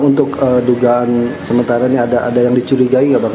untuk dugaan sementara ini ada yang dicurigai nggak bang